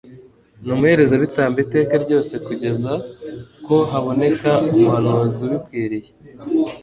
n'umuherezabitambo iteka ryose kugeza ko haboneka umuhanuzi ubikwiriye